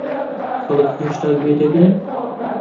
خەڵک هێشتا گوێ دەگرن؟